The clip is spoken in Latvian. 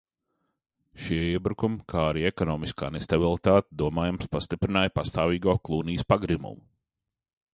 Šie iebrukumi, kā arī ekonomiskā nestabilitāte, domājams, pastiprināja pastāvīgo Klūnijas pagrimumu.